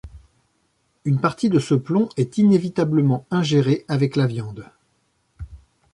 Une partie de ce plomb est inévitablement ingérés avec la viande.